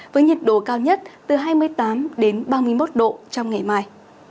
với nhiệt độ cao nhất từ hai mươi tám đến ba mươi một độ trong ngày mai